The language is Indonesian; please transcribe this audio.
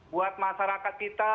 buat masyarakat kita